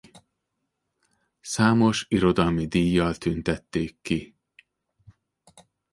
Számos irodalmi díjjal tüntették ki.